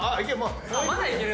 まだいける。